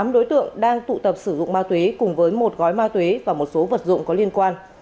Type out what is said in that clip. tám đối tượng đang tụ tập sử dụng ma túy cùng với một gói ma túy và một số vật dụng có liên quan